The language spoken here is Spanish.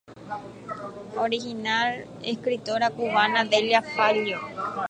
Original de la gran escritora cubana Delia Fiallo.